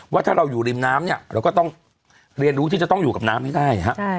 ว่าถ้าเราอยู่ริมน้ำเนี่ยเราก็ต้องเรียนรู้ที่จะต้องอยู่กับน้ำให้ได้